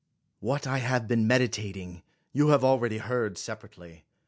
What I have been meditating you have already heard separately.